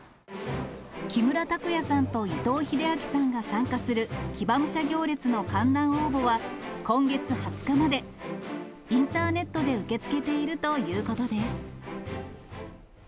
木村拓哉さんと伊藤英明さんが参加する、騎馬武者行列の観覧応募は、今月２０日まで、インターネットで受け付けているということです。